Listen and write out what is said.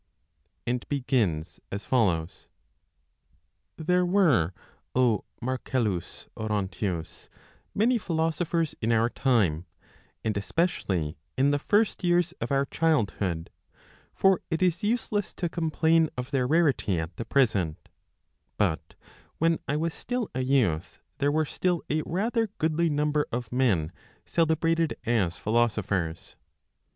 and begins as follows: "There were, O Marcellus Orontius many philosophers in our time, and especially in the first years of our childhood for it is useless to complain of their rarity at the present; but when I was still a youth, there were still a rather goodly number of men celebrated as philosophers.